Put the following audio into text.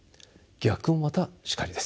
逆もまたしかりです。